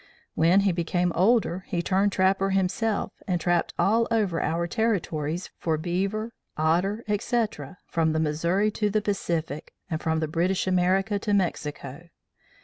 When he became older, he turned trapper himself, and trapped all over our territories for beaver, otter, etc., from the Missouri to the Pacific, and from British America to Mexico.